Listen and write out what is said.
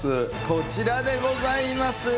こちらでございます。